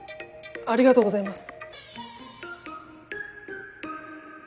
ありがとうございます！